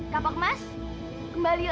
kapak emas kembalilah